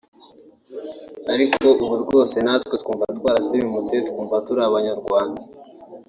ariko ubu rwose natwe twarasirimutse twumva turi abanyarwanda